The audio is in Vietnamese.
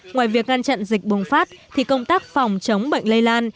ngoài việc ngăn chặn dịch bùng phát thì công tác phòng chống bệnh lây lan